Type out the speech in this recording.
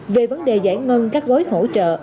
về vấn đề giải ngân các gói hỗ trợ